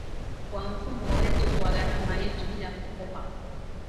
kwa mfumo wetu, kwa gharama yetu, bila kukopa